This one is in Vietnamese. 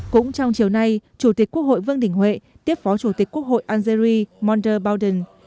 cũng trong chiều nay chủ tịch quốc hội vương đình huệ tiếp phó chủ tịch quốc hội algeri monder biden